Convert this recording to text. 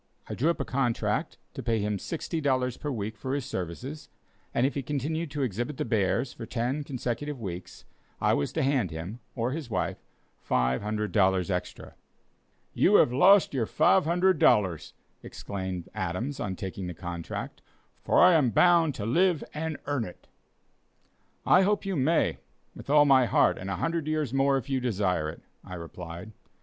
I drew up a contract to pay him $60 per week for his services, and if he continued to exhibit the bears for ten consecutive weeks I was then to hand him, or his wife, $500 extra. "You have lost your $500!" exclaimed Adams on taking the contract; "for I am bound to live and earn it." "I hope you may, with all my heart, and a hundred years more if you desire it," I replied.